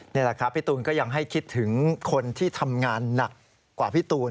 นี่แหละครับพี่ตูนก็ยังให้คิดถึงคนที่ทำงานหนักกว่าพี่ตูน